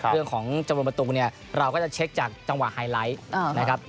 เรื่องของจำนวนประตูเนี่ยเราก็จะเช็คจากจังหวะไฮไลท์นะครับ